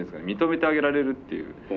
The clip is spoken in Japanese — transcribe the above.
認めてあげられるっていう。